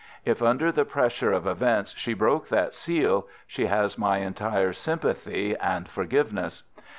If under the pressure of events she broke that seal, she has my entire sympathy and forgiveness.